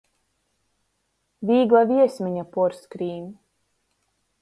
Vīgla viesmeņa puorskrīn.